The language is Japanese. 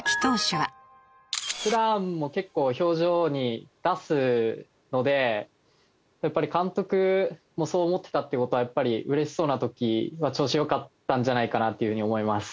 普段も結構表情に出すのでやっぱり監督もそう思ってたって事はやっぱり嬉しそうな時は調子良かったんじゃないかなっていうふうに思います。